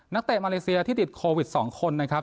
เตะมาเลเซียที่ติดโควิด๒คนนะครับ